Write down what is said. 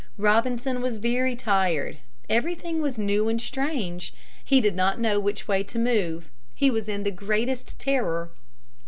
Robinson was very tired. Everything was new and strange. He did not know which way to move. He was in the greatest terror.